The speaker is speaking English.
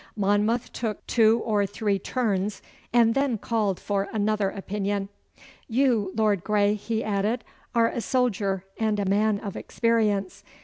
Monmouth took two or three turns and then called for another opinion. 'You, Lord Grey,' he said, 'are a soldier and a man of experience.